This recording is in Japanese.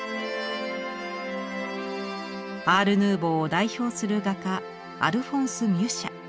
アールヌーボーを代表する画家アルフォンス・ミュシャ。